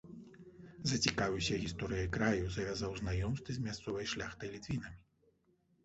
Зацікавіўся гісторыяй краю, завязаў знаёмствы з мясцовай шляхтай-літвінамі.